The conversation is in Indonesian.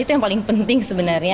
itu yang paling penting sebenarnya